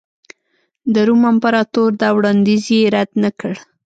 د روم امپراتور دا وړاندیز یې رد نه کړ